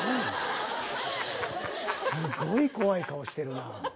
すごい怖い顔してるな。